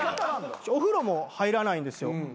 お風呂も入らないんですよ。